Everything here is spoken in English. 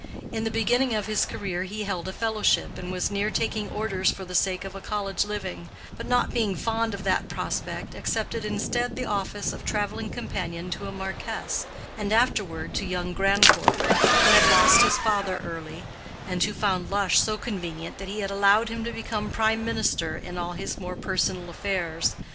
In the beginning of his career he held a fellowship, and was near taking orders for the sake of a college living, but, not being fond of that prospect, accepted instead the office of traveling companion to a marquess, and afterward to young Grandcourt, who had lost his father early, and who found Lush so convenient that he had allowed him to become prime minister in all his more personal affairs.